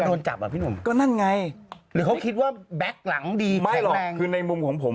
ว่านั่นไงหรือเขาคิดว่าแบ็คหลังดีแข็งแรงไม่หรอกคือในมุมของผม